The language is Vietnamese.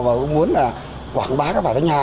và cũng muốn quảng bá quả vải thanh hà